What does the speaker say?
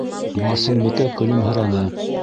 Барсынбикә көлөмһөрәне: